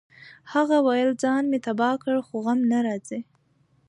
هغه ویل ځان مې تباه کړ خو غم نه راځي